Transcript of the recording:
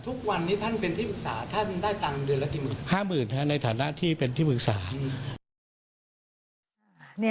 ทุกวันนี้ท่านเป็นที่ปรึกษา